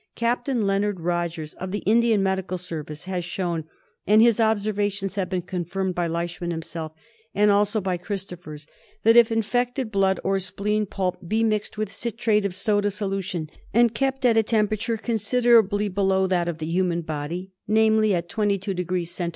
Capt. Leonard Rogers, of the Indian Medical Service, has shown, and his observations have been confirmed by Leishman himself and also by Christophers, that if infected blood or spleen pulp be mixed with citrate of soda solution, and kept at a temperature considerably below that of the human body, namely, at 22° Cent.